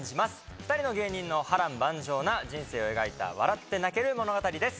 ２人の芸人の波瀾万丈な人生を描いた笑って泣ける物語です。